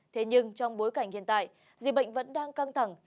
thế nhưng trong bối cảnh hiện tại dịch bệnh vẫn đang căng thẳng